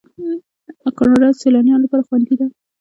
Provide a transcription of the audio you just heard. کاناډا د سیلانیانو لپاره خوندي ده.